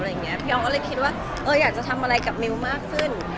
พี่อองก็เลยคิดว่าอยากจะทำอะไรกับมิวมากขึ้น